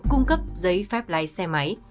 cung cấp giấy phép lái xe máy